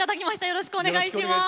よろしくお願いします。